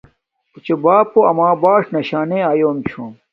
اوچے باپو امیے باݽ ناشنے آلُیوم چھوم